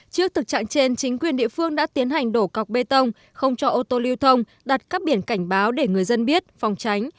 trước thực trạng trên chính quyền địa phương đã tiến hành đổ cọc bê tông không cho ô tô lưu thông đặt các biển cảnh báo để người dân biết phòng tránh